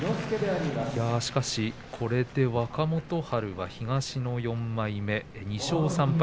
しかしこれで若元春、東の４枚目２勝３敗